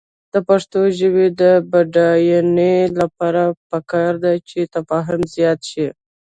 د پښتو ژبې د بډاینې لپاره پکار ده چې تفاهم زیات شي.